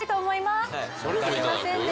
すみませんね。